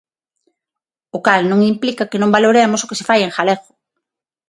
O cal non implica que non valoremos o que se fai en galego.